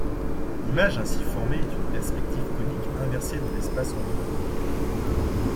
L'image ainsi formée est une perspective conique inversée de l'espace environnant.